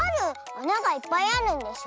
あながいっぱいあるんでしょ。